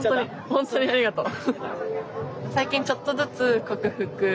本当にありがとう。